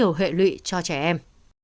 sẽ tránh nhiều hệ lụy cho trẻ em